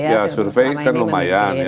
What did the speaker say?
ya survei kan lumayan